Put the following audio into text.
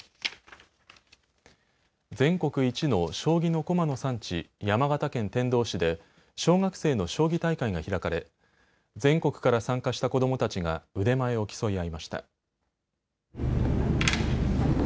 全国一の将棋の駒の産地、山形県天童市で小学生の将棋大会が開かれ全国から参加した子どもたちが腕前を競い合いました。